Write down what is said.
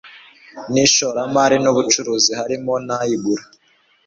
n ishoramari n ubucuruzi harimo n ay igura